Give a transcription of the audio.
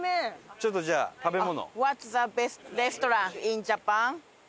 ちょっとじゃあ食べ物。